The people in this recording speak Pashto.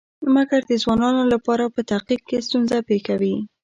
مګر د ځوانانو لپاره په تحقیق کې ستونزه پېښوي.